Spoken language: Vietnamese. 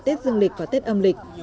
tết dương lịch và tết âm lịch